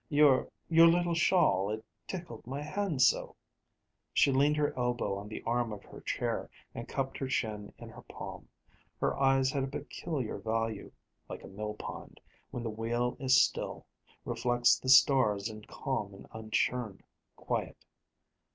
Your your little shawl, it tickled my hand so." She leaned her elbow on the arm of her chair and cupped her chin in her palm. Her eyes had a peculiar value like a mill pond, when the wheel is still, reflects the stars in calm and unchurned quiet.